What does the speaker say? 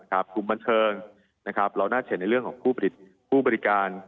กลุ่มบันเชิงเราน่าเฉยในเรื่องของผู้บริการ